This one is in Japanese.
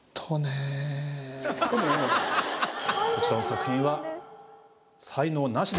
こちらの作品は。